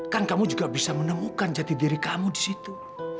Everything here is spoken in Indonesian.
kan kamu juga bisa menemukan jati diri kamu disitu